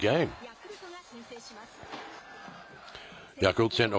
ヤクルトが先制します。